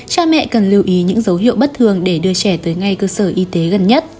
cha mẹ cần lưu ý những dấu hiệu bất thường để đưa trẻ tới ngay cơ sở y tế gần nhất